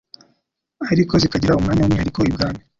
ariko zikagira umwanya w'umwihariko i Bwami.